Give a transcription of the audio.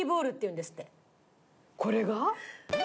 これが？